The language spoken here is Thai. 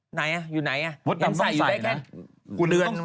ไหนอ่ะอยู่ไหนอ่ะอย่างนั้นใส่อยู่ไหนกันคุณเดือน